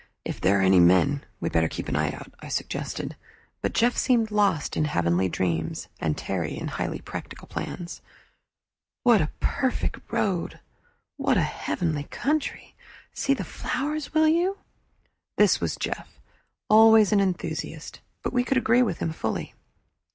"If there are any men, we'd better keep an eye out," I suggested, but Jeff seemed lost in heavenly dreams, and Terry in highly practical plans. "What a perfect road! What a heavenly country! See the flowers, will you?" This was Jeff, always an enthusiast; but we could agree with him fully.